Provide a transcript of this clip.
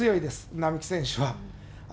並木選手は。